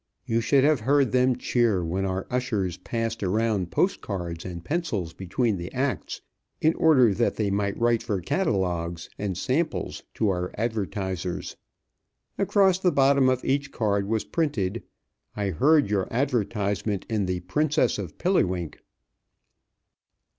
You should have heard them cheer when our ushers passed around post cards and pencils between the acts, in order that they might write for catalogues and samples to our advertisers. Across the bottom of each card was printed, "I heard your advertisement in the 'Princess of Pilliwink.'"